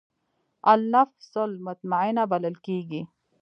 النفس المطمئنه بلل کېږي.